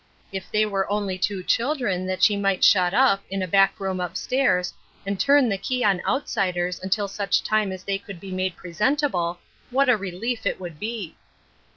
If they were only two children, that she might shut up, in a back room up stairs, and turn the key on outsiders until such time as they could be made presentable, what a relief it would be